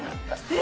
え！